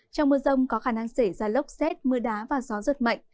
trong mưa rông có khả năng xảy ra lốc xét mưa đá và gió giật mạnh